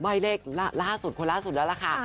บ่ายเลขล่าสุดควรล่าสุดแล้วค่ะ